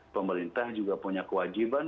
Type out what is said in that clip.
pemerintah juga punya kewajiban